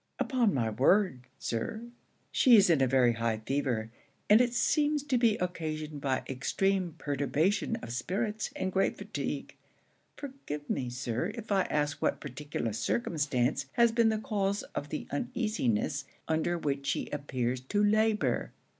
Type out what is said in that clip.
'Upon my word, Sir, she is in a very high fever, and it seems to be occasioned by extreme perturbation of spirits and great fatigue. Forgive, Sir, if I ask what particular circumstance has been the cause of the uneasiness under which she appears to labour?